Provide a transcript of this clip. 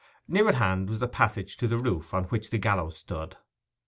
Near at hand was a passage to the roof on which the gallows stood.